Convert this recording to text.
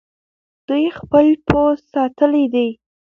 دوی خپل پوځ ساتلی دی.